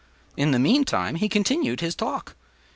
In the meantime, he continued his talk.